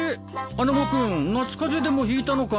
穴子君夏風邪でもひいたのかい？